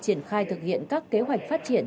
triển khai thực hiện các kế hoạch phát triển